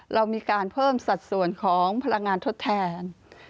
เรามีการเพิ่มสัดส่วนของพลังงานทดแทน